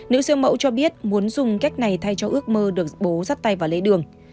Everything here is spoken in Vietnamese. nữ siêu mẫu cho biết muốn dùng cách này thay cho ước mơ được bố dắt tay vào lấy đường